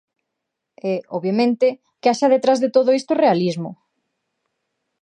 E, obviamente, que haxa detrás de todo isto realismo.